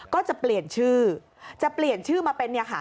ก็จะเปลี่ยนชื่อจะเปลี่ยนชื่อมาเป็น